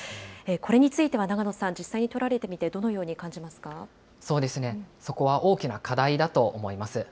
これについては長野さん、実際に取られてみて、どのように感じまそこは大きな課題だと思います。